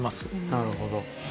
なるほど。